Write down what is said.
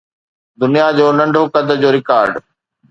دنيا جو ننڍو قد جو رڪارڊ